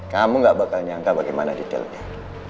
kamu gak bakal nyangka bagaimana detail dia